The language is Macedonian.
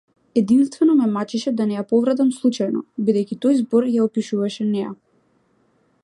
Единствено ме мачеше да не ја повредам случајно, бидејќи тој збор ја опишуваше неа.